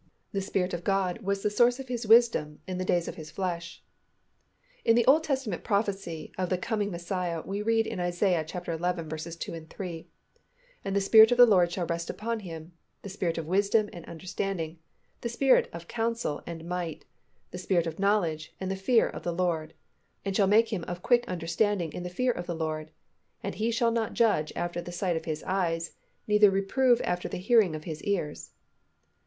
The Spirit of God was the source of His wisdom in the days of His flesh._ In the Old Testament prophecy of the coming Messiah we read in Isa. xi. 2, 3, "And the Spirit of the LORD shall rest upon Him, the spirit of wisdom and understanding, the spirit of counsel and might, the spirit of knowledge and of the fear of the LORD. And shall make Him of quick understanding in the fear of the LORD: and He shall not judge after the sight of His eyes, neither reprove after the hearing of His ears."